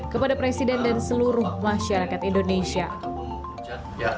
kepada presiden dan seluruh masyarakat indonesia